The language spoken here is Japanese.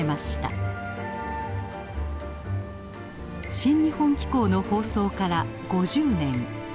「新日本紀行」の放送から５０年。